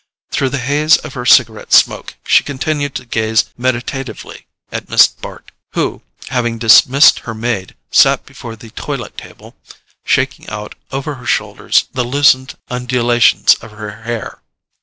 Through the haze of her cigarette smoke she continued to gaze meditatively at Miss Bart, who, having dismissed her maid, sat before the toilet table shaking out over her shoulders the loosened undulations of her hair.